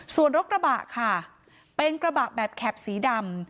ส่วนรถกระบะค่ะเป็นกระบะแบบแข็บสีดำ